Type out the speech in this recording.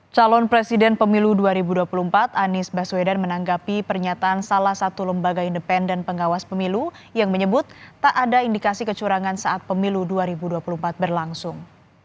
calon presiden pemilu dua ribu dua puluh empat anies baswedan menanggapi pernyataan salah satu lembaga independen pengawas pemilu yang menyebut tak ada indikasi kecurangan saat pemilu dua ribu dua puluh empat berlangsung